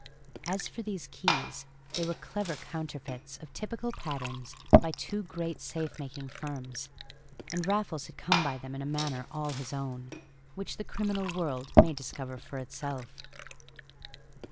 As for these keys, they were clever counterfeits of typical patterns by two great safe making firms. And Raffles had come by them in a manner all his own, which the criminal world may discover for itself.